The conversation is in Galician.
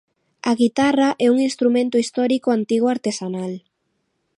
A guitarra é un instrumento histórico antigo artesanal.